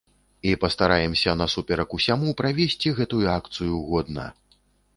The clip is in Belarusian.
І пастараемся насуперак усяму правесці гэтую акцыю годна.